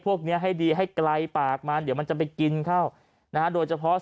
พวกนี้ให้ดีให้ไกลปากมันเดี๋ยวมันจะไปกินเข้านะฮะโดยเฉพาะ